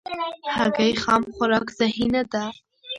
هګۍ خام خوراک صحي نه ده.